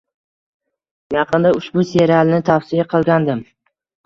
Yaqinda ushbu serialni tavsiya qilgandim.